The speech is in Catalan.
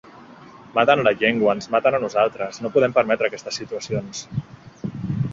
Maten la llengua, ens maten a nosaltres, no podem permetre aquestes situacions.